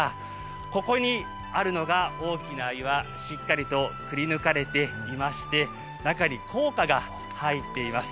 ここにあるのが大きな岩、しっかりとくりぬかれていまして、中に硬貨が入っています。